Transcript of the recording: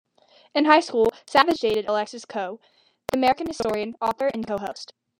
In high school, Savage dated Alexis Coe, the American historian, author, and co-host.